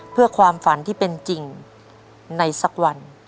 เพื่อความฝันที่เป็นจริงในสักวัน